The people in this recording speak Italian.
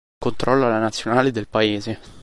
Controlla la Nazionale del paese.